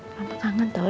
mama kangen tau